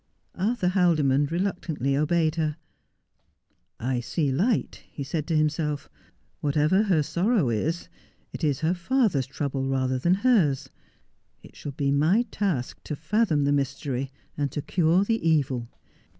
Arthur Haldimond reluctantly obeyed her. ' I see light,' he said to himself. ' Whatever her sorrow is, it is her father's trouble rather than hers. It shall be my task to fathom the mystery, and to cure the evil.'